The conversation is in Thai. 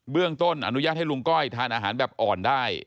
เรื่องต้นอนุญาตให้ลุงก้อยทานอาหารแบบอ่อนได้